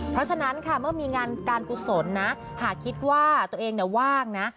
เพราะฉะนั้นค่ะเมื่อมีงานการกุศลนะหากคิดว่าตัวเองว่างนะ